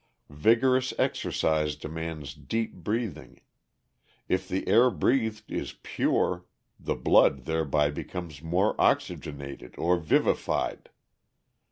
Vigorous exercise demands deep breathing; if the air breathed is pure, the blood thereby becomes more oxygenated or vivified.